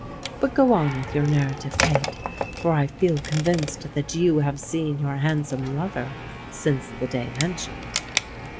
But go on with your narrative, Kate; for I feel convinced that you have seen your handsome lover since the day mentioned."